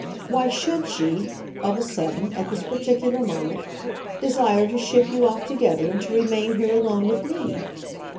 Why SHOULD she, of a sudden, at this particular moment, desire to ship you off together and to remain here alone with me?